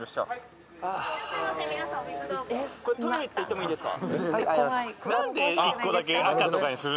これトイレって行ってもいいですか？